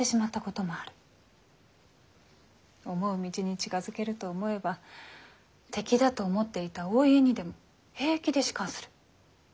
思う道に近づけると思えば敵だと思っていたお家にでも平気で仕官する。